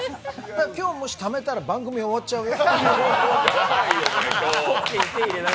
今日もし、ためたら番組終わっちゃうよ。